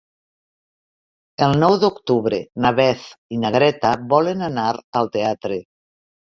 El nou d'octubre na Beth i na Greta volen anar al teatre.